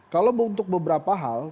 kalau untuk beberapa hal